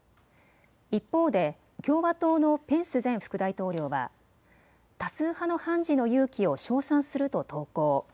一方で共和党のペンス前副大統領は多数派の判事の勇気を称賛すると投稿。